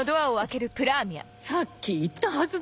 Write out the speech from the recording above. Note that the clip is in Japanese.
さっき言ったはずだ。